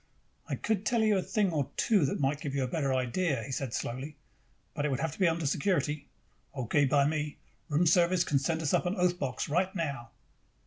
"I could tell you a thing or two that might give you a better idea," he said slowly. "But it would have to be under security." "Okay by me. Room service can send us up an oath box right now."